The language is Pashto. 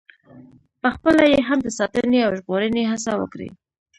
پخپله یې هم د ساتنې او ژغورنې هڅه وکړي.